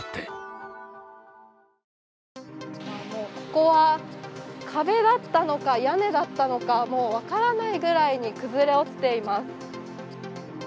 ここは壁だったのか屋根だったのかもう分からないぐらいに崩れ落ちています。